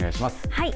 はい。